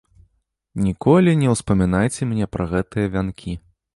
Ніколі не ўспамінайце мне пра гэтыя вянкі.